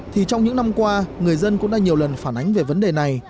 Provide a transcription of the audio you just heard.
thì trong những năm qua người dân cũng đã nhiều lần phản ánh về vấn đề này